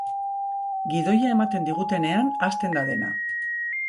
Gidoia ematen digutenean hasten da dena.